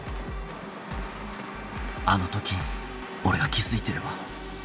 ・あの時に俺が気付いてれば。